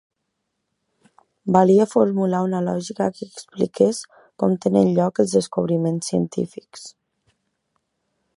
Volia formular una lògica que expliqués com tenen lloc els descobriments científics.